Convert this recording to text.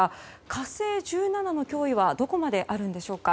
「火星１７」の脅威はどこまであるんでしょうか。